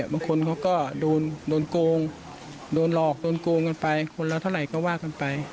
บางคนเขาก็โดนโกงโดนหลอกโดนโกงกันไปคนละเท่าไหร่ก็ว่ากันไป